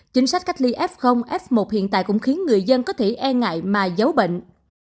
chính sách cách ly f f một hiện tại cũng khiến người dân có thể e ngại mà giấu bệnh